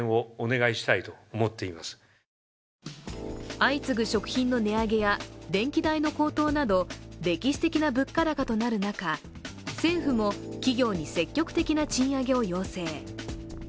相次ぐ食品の値上げや電気代の高騰など歴史的な物価高となる中、政府も企業に積極的な賃上げを要請。